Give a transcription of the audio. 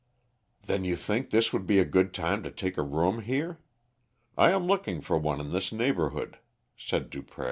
"Then you think this would be a good time to take a room here? I am looking for one in this neighbourhood," said Dupré.